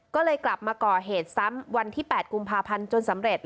ก็เลยกลับมาก่อเหตุซ้ำวันที่๘กุมภาพันธ์จนสำเร็จ